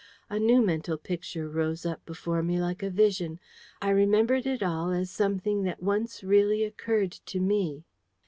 A new mental picture rose up before me like a vision. I remembered it all as something that once really occurred to me.